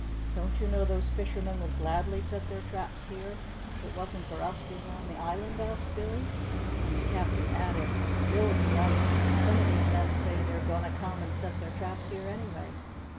"Don't you know those fishermen would gladly set their traps here if it wasn't for us being on the island?" asked Billy. And the Captain added: "Bill's right; and some of these men say they're goin' to come and set their traps here anyway."